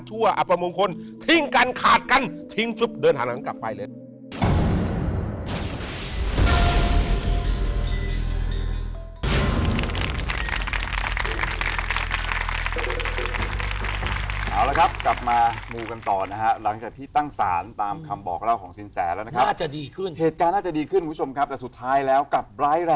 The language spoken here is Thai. ใช่ค่ะเรามารู้ทีหลังว่าเขาเสียชีวิตสามารถหอะ